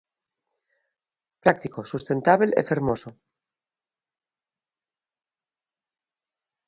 Práctico, sustentábel e fermoso.